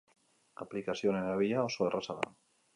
Aplikazio honen erabilera oso erraza da.